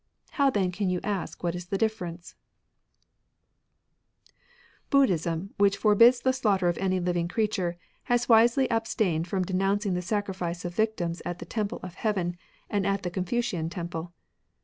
How then can you ask what is the differ ence ?" Buddhism, which forbids the slaughter of any Uving creature, has wisely abstained from de nouncing the sacrifice of victims at the Temple of Heaven and at the Confucian Temple.